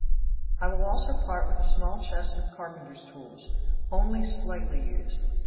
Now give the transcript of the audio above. I will also part with a small chest of carpenter's tools, only slightly used.